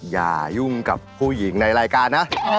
อย่ายุ่งกับผู้หญิงในรายการนะ